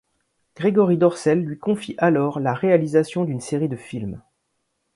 Grégory Dorcel lui confie alors la réalisation d'une série de films.